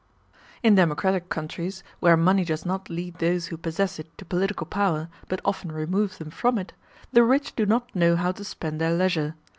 ] In democratic countries, where money does not lead those who possess it to political power, but often removes them from it, the rich do not know how to spend their leisure.